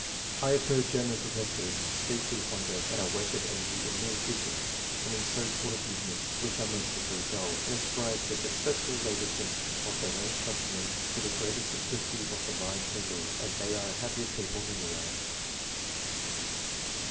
I have heard German professors speak with wonder at our waste of energy in mere fidget, and in so called amusements, which are mostly very dull, and ascribe the successful labo riousness of their own countrymen to the greater simplicity of the lives they lead ; and they are a happier people than we are.